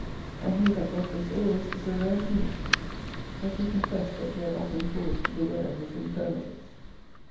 And he that doth this always is a rare Phoenix. But he confessed that he had often cause to bewail his infirmities.